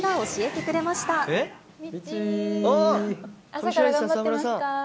朝から頑張ってますか？